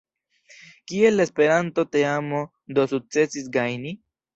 Kiel la Esperanto-teamo do sukcesis gajni?